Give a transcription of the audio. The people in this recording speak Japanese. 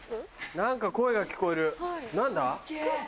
何か声が聞こえる何だ？